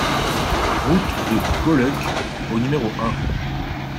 Route de Goaleuc au numéro un